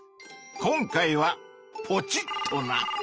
今回はポチッとな！